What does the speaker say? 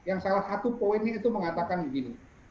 yang salah satu poinnya itu mengatakan begini